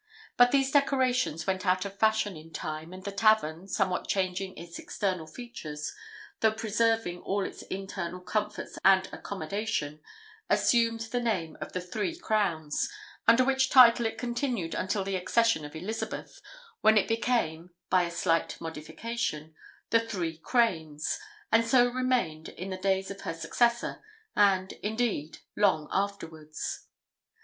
But these decorations went out of fashion in time, and the tavern, somewhat changing its external features, though preserving all its internal comforts and accommodation, assumed the name of the Three Crowns, under which title it continued until the accession of Elizabeth, when it became (by a slight modification) the Three Cranes; and so remained in the days of her successor, and, indeed, long afterwards.